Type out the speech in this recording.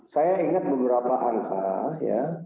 saya ingat beberapa angka ya